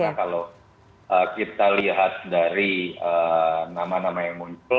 karena kalau kita lihat dari nama nama yang muncul